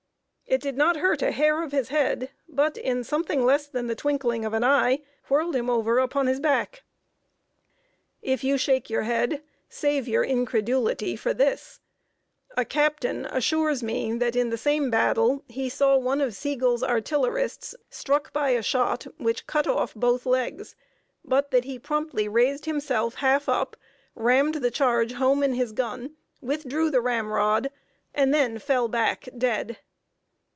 It did not hurt a hair of his head, but, in something less than a twinkling of an eye, whirled him over upon his back! If you shake your head, save your incredulity for this: A captain assures me that in the same battle he saw one of Sigel's artillerists struck by a shot which cut off both legs; but that he promptly raised himself half up, rammed the charge home in his gun, withdrew the ramrod, and then fell back, dead!